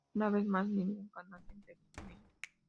Una vez más ningún canal se interesó en ella.